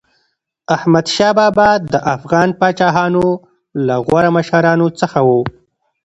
احمدشاه بابا د افغان پاچاهانو له غوره مشرانو څخه و.